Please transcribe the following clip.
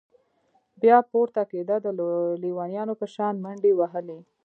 بيا پورته كېده د ليونيانو په شان منډې وهلې.